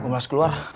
gue harus keluar